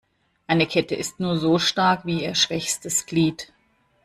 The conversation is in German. Eine Kette ist nur so stark wie ihr schwächstes Glied.